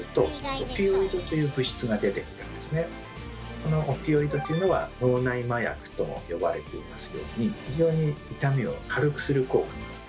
このオピオイドというのは脳内麻薬とも呼ばれていますように非常に痛みを軽くする効果があるんですね。